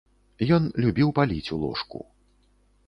Ён любіў паліць у ложку.